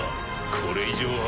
これ以上は。